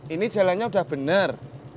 ini jalannya udah bener